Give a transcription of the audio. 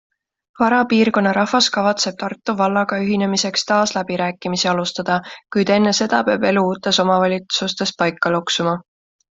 Vara piirkonna rahvas kavatseb Tartu vallaga ühinemiseks taas läbirääkimisi alustada, kuid enne seda peab elu uutes omavalitsustes paika loksuma.